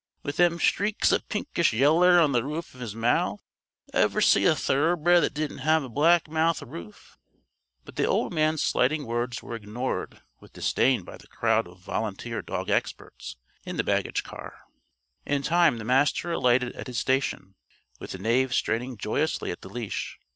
"With them streaks of pinkish yeller on the roof of his mouth? Ever see a thoroughbred that didn't have a black mouth roof?" But the old man's slighting words were ignored with disdain by the crowd of volunteer dog experts in the baggage car. In time the Master alighted at his station, with Knave straining joyously at the leash.